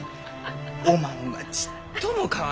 おまんはちっとも変わらんき。